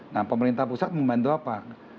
nah pemerintah pusat membantu apa